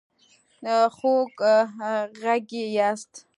خوږغږي ياست